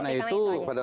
pada saat yang sama